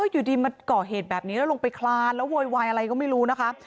อยู่ดีมาก่อเหตุแบบนี้แล้วลงไปคลานแล้วโวยวายอะไรก็ไม่รู้นะคะ